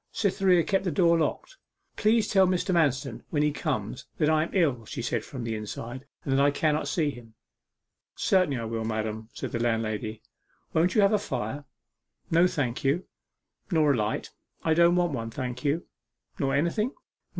Cytherea kept the door locked. 'Please tell Mr. Manston when he comes that I am ill,' she said from the inside, 'and that I cannot see him.' 'Certainly I will, madam,' said the landlady. 'Won't you have a fire?' 'No, thank you.' 'Nor a light?' 'I don't want one, thank you.' 'Nor anything?